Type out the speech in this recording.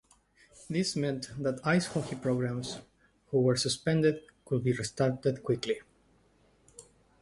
This meant that the ice hockey programs who were suspended could be restarted quickly.